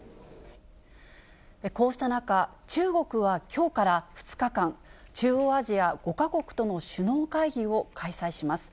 こうした中、中国はきょうから２日間、中央アジア５か国との首脳会議を開催します。